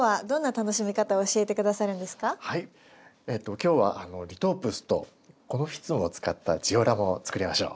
今日はリトープスとコノフィツムを使ったジオラマを作りましょう。